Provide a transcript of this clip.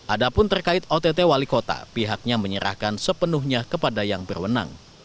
ada pun terkait ott wali kota pihaknya menyerahkan sepenuhnya kepada yang berwenang